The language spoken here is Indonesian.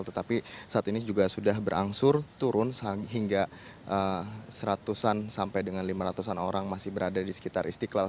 tetapi saat ini juga sudah berangsur turun hingga seratusan sampai dengan lima ratus an orang masih berada di sekitar istiqlal